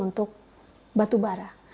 untuk batu bara